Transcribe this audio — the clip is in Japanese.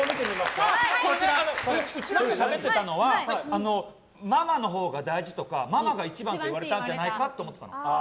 うちらでしゃべってたのはママのほうが大事とかママが一番と言われたんじゃないかと思っていたの。